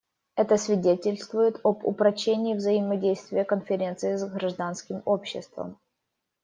Это свидетельствует об упрочении взаимодействия Конференции с гражданским обществом.